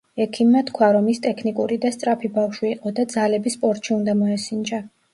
ექიმმა თქვა, რომ ის ტექნიკური და სწრაფი ბავშვი იყო და ძალები სპორტში უნდა მოესინჯა.